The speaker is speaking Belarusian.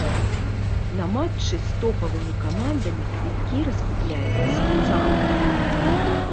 На матчы з топавымі камандамі квіткі раскупляюцца цалкам.